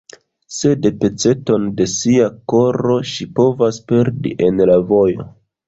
Sed peceton de sia koro ŝi povas perdi en la vojo.